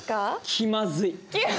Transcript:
気まずい。